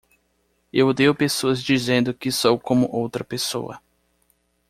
Eu odeio pessoas dizendo que sou como outra pessoa.